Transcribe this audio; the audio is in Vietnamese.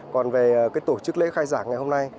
còn về tổ chức lễ khai giảng ngày hôm nay